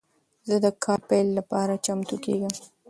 زه د کال پیل لپاره چمتو کیږم.